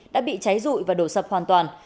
đã bị cháy dụi và đổ sập hoàn toàn